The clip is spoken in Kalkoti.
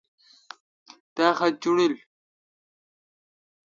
تا خط چوݨڈیل۔